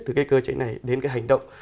từ cái cơ chế này đến cái hành động